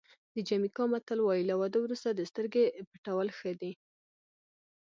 د جمیکا متل وایي له واده وروسته د سترګې پټول ښه دي.